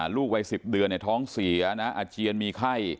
ลูกวัย๑๐เดือนท้องเสียนะอาเจียนมีไข้